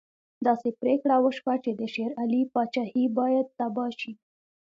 داسې پرېکړه وشوه چې د شېر علي پاچهي باید تباه شي.